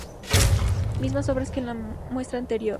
Mismas obras que en la muestra anterior.